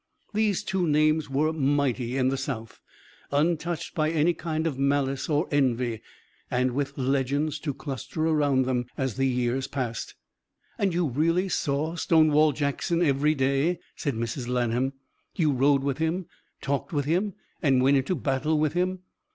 These two names were mighty in the South, untouched by any kind of malice or envy, and with legends to cluster around them as the years passed. "And you really saw Stonewall Jackson every day!" said Mrs. Lanham. "You rode with him, talked with him, and went into battle with him?"